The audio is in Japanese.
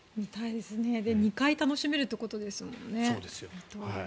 ２回楽しめるということですもんね。